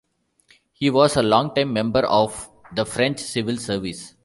He was a long-time member of the French civil service.